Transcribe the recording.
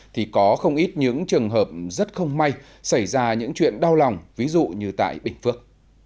thì có không ít những trường hợp rất không may xảy ra những chuyện đau lòng ví dụ như tại bình phước